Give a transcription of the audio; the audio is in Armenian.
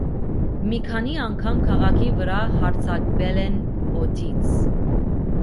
Մի քանի անգամ քաղաքի վրա հարձակվել են օդից։